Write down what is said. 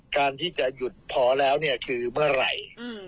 การที่จะหยุดพอแล้วเนี่ยคือเมื่อไหร่